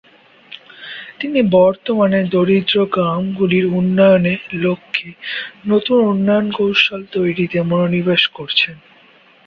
তিনি বর্তমানে দরিদ্র গ্রামগুলির উন্নয়নের লক্ষ্যে নতুন উন্নয়ন কৌশল তৈরিতে মনোনিবেশ করছেন।